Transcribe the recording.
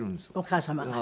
お母様が？